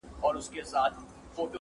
نن به یې لوی ښاخونه!.